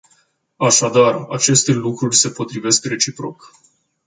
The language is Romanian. Așadar, aceste lucruri se potrivesc reciproc.